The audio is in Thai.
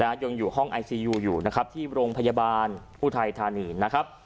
ยังอยู่ห้องไอซียูอยู่นะครับที่โรงพยาบาลอุทัยธานีนะครับ